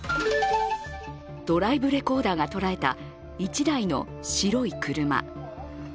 ドライブレコーダーがとらえた１台の白い車。